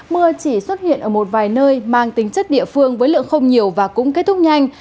mưa chỉ xuất hiện ở một vài nơi mang tính chất địa phương với lượng không nhiều và cũng kết thúc nhanh